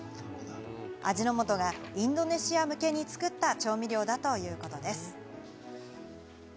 味の素がインドネシア向けに作った調味料だということです。